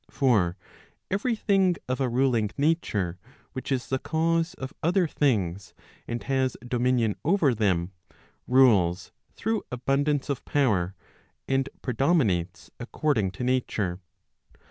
For every thing of a ruling nature, which is the cause of other things, and has dominion over them, rules through abundance of power, and predo¬ minates according to nature.